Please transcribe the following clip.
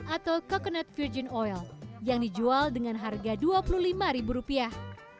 atau coconut virgin oil yang dijual dengan harga dua puluh lima ribu rupiah